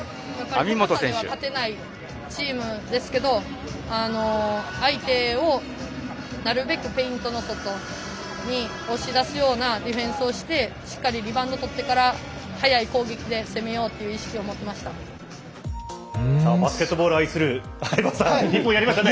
高さでは勝てないチームですけれど相手をなるべくペイントの外に押し出すようなディフェンスをして、しっかりリバウンドを取ってから速い攻撃で攻めようというバスケットボール愛する相葉さん、日本やりましたね。